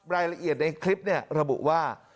รายละเอียดในคลิประบุว่า